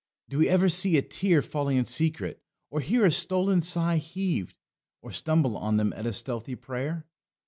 Do we ever see a tear falling in secret, or hear a stolen sigh heaved, or stumble on them at a stealthy prayer?